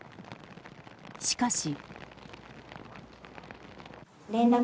しかし。